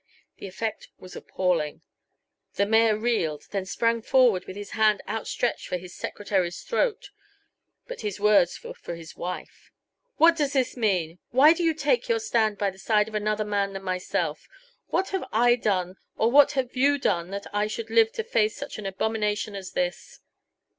The effect was appalling. The mayor reeled, then sprang forward with his hand outstretched for his secretary's throat. But his words were for his wife. "What does this mean? Why do you take your stand by the side of another man than myself? What have I done or what have you done that I should live to face such an abomination as this?"